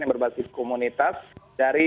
yang berbasis komunitas dari